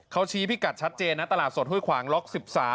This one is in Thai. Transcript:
เขาชี้พิกัดชัดเจนนะตลาดสดห้วยขวางล็อก๑๓